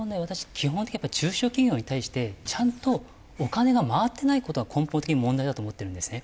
基本的に中小企業に対してちゃんとお金が回ってない事が根本的に問題だと思ってるんですね。